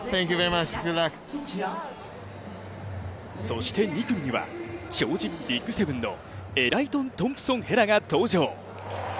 そして２組には、超人ＢＩＧ７のエライン・トンプソン・ヘラが登場。